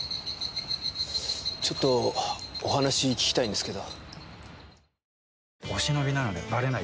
ちょっとお話聞きたいんですけど。